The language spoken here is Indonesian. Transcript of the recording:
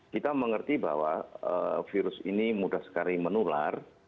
kita mengerti bahwa virus ini mudah sekali menular